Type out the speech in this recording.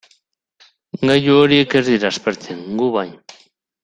Gailu horiek ez dira aspertzen, gu bai.